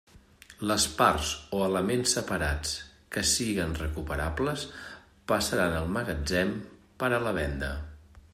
Les parts o elements separats que siguen recuperables passaran al magatzem per a la venda.